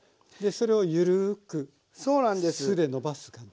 それをゆるく酢でのばす感じ。